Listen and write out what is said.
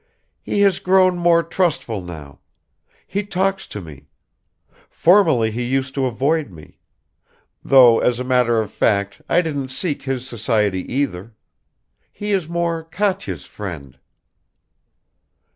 "He has grown more trustful now; he talks to me; formerly he used to avoid me; though, as a matter of fact, I didn't seek his society either. He is more Katya's friend."